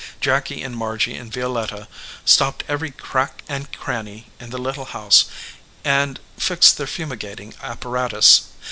Jacky and Margy and Violetta stopped every crack and cranny in the little house and fixed their fumigating apparatus.